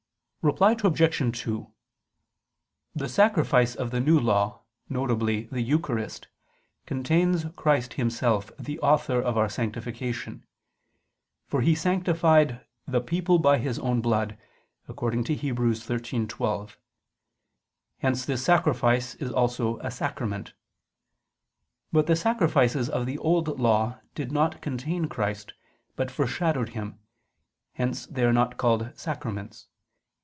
Reply Obj. 2: The sacrifice of the New Law, viz. the Eucharist, contains Christ Himself, the Author of our Sanctification: for He sanctified "the people by His own blood" (Heb. 13:12). Hence this Sacrifice is also a sacrament. But the sacrifices of the Old Law did not contain Christ, but foreshadowed Him; hence they are not called sacraments.